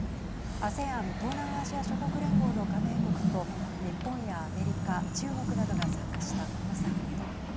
ＡＳＥＡＮ＝東南アジア諸国連合の加盟国と日本やアメリカ、中国などが参加した、このサミット。